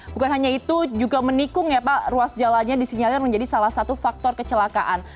bukan hanya itu juga menikung ya pak ruas jalannya disinyalir menjadi salah satu faktor kecelakaan